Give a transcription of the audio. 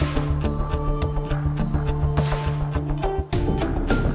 jangan lupa makan siang